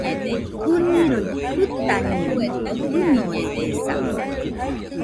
ɨniroi jɨtañeno, ɨnoredesa.